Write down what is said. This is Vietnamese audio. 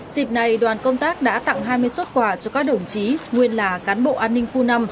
dịp này đoàn công tác đã tặng hai mươi xuất quà cho các đồng chí nguyên là cán bộ an ninh khu năm